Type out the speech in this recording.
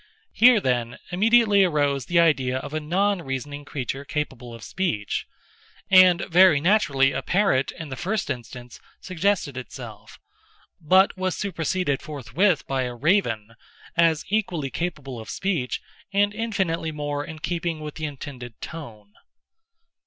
Here, then, immediately arose the idea of a non reasoning creature capable of speech; and, very naturally, a parrot, in the first instance, suggested itself, but was superseded forthwith by a Raven, as equally capable of speech, and infinitely more in keeping with the intended tone.